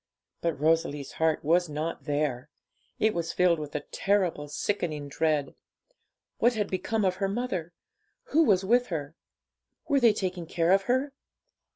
But Rosalie's heart was not there. It was filled with a terrible, sickening dread. What had become of her mother? Who was with her? Were they taking care of her?